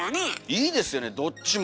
いいですよねどっちも。